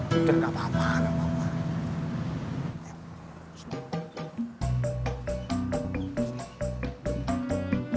duduk gak apa apa gak apa apa